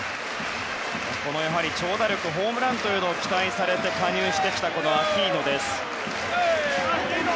長打力ホームランというのを期待されて加入したアキーノです。